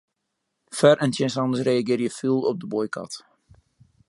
Foar- en tsjinstanners reagearje fûl op de boykot.